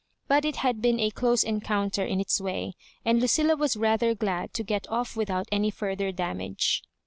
But it had. been a dose encounter in its way, and Lucilla was rather glad to get off without any further damage.